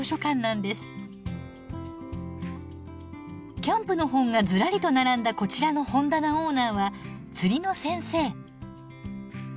キャンプの本がずらりと並んだこちらの本棚オーナーは釣りの先生。